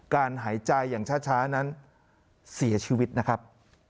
หายใจอย่างช้านั้นเสียชีวิตนะครับ